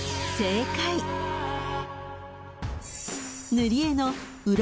［塗り絵の裏